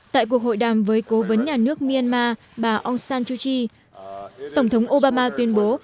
tại cuộc hội đàm với cố vấn nhà nước myanmar bà aung san chuji tổng thống obama tuyên bố